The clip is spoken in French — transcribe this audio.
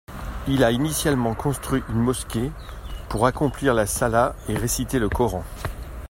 Il a initialemement construit une mosquée pour accomplir la Salat et réciter le Coran.